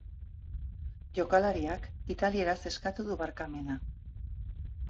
Jokalariak italieraz eskatu du barkamena.